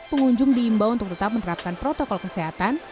pengunjung diimbau untuk tetap menerapkan protokol kesehatan